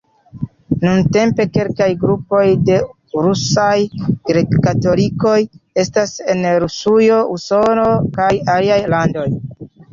Nuntempe kelkaj grupoj de rusaj grek-katolikoj estas en Rusujo, Usono kaj aliaj landoj.